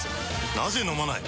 なぜ飲まない？